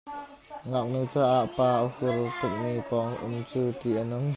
Ngaknu caah pa a hur tukmi pawng um cu ṭih a nung.